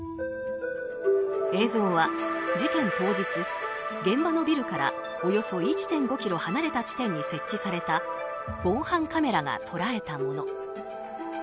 映像は事件当日、現場のビルからおよそ１．５ｋｍ離れた地点に設置された防犯カメラが捉えたもの。